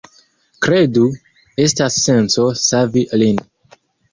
Kredu, estas senco savi lin.